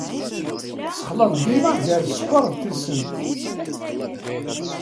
Tessexlaḍ dima gar sskeṛ d tisent.